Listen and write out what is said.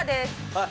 はい。